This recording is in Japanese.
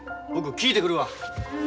僕聞いてくるわ。